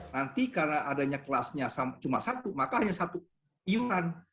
nanti karena adanya kelasnya cuma satu maka hanya satu iuran